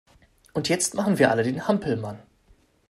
Und jetzt machen wir alle den Hampelmann